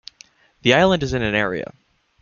The island is in area.